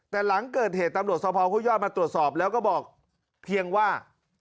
แต่หลังเกิดเหตุตำรวจสภห้วยยอดมาตรวจสอบแล้วก็บอกเพียงว่า